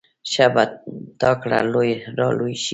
ښه به تا کره را لوی شي.